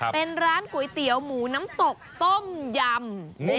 เป็นร้านก๋วยเตี๋ยวหมูน้ำตกต้มยำ